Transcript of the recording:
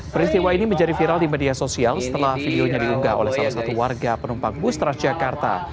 peristiwa ini menjadi viral di media sosial setelah videonya diunggah oleh salah satu warga penumpang bus transjakarta